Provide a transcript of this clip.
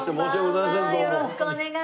よろしくお願いします。